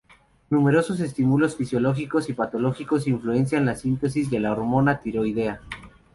Numerosos estímulos fisiológicos y patológicos influencian la síntesis de la hormona tiroidea.